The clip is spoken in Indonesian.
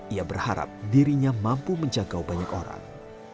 ia berharap dirinya mampu menjaga banyak orang